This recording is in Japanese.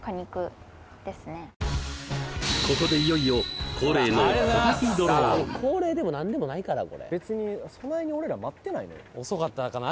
ここでいよいよ恒例の恒例でも何でもないからこれ別にそないに俺ら待ってないよ遅かったかな？